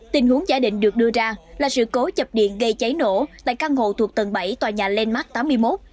tình huống giả định được đưa ra là sự cố chập điện gây cháy nổ tại căn hộ thuộc tầng bảy tòa nhà landmark tám mươi một